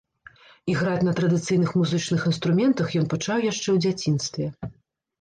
Іграць на традыцыйных музычных інструментах ён пачаў яшчэ ў дзяцінстве.